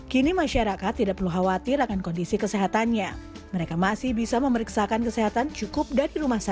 kini masyarakat tidak perlu khawatir akan kondisi kesehatannya mereka masih bisa memeriksakan kesehatan cukup dari rumah sakit